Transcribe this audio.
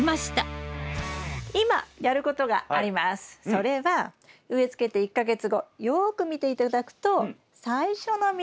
それは植えつけて１か月後よく見て頂くと最初の実ができています。